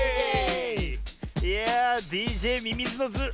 いやあＤＪミミズのズー